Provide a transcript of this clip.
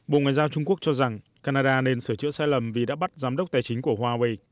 bộ ngoại giao trung quốc cho rằng canada nên sửa chữa sai lầm vì đã bắt giám đốc tài chính của huawei